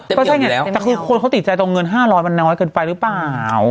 ก็ใช่ไงแต่คือคนเขาติดใจตรงเงิน๕๐๐มันน้อยเกินไปหรือเปล่า